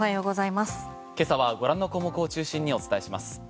今朝はご覧の項目を中心にお伝えします。